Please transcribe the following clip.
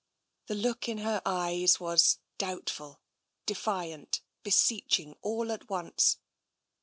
The look in her eyes was doubtful, defiant, beseech ing, all at once.